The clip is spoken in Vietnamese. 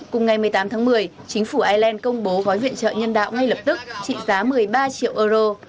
cùng ngày một mươi tám tháng một mươi chính phủ ireland công bố gói viện trợ nhân đạo ngay lập tức trị giá một mươi ba triệu euro